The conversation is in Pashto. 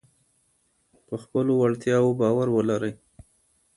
په خپلو وړتیاوو باور ولرئ.